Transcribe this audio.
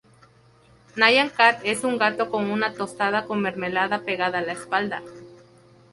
Nyan Cat es un gato con una tostada con mermelada pegada a la espalda.